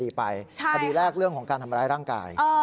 คดีแรกเรื่องของการทำร้ายร่างกาย